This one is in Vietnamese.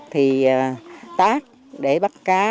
thì tắt để bắt cá